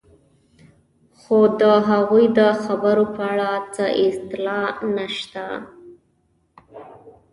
خو د هغوی د خبرو په اړه څه اطلاع نشته.